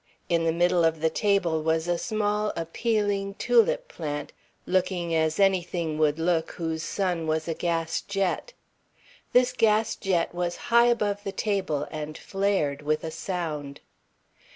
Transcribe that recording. In the middle of the table was a small, appealing tulip plant, looking as anything would look whose sun was a gas jet. This gas jet was high above the table and flared, with a sound.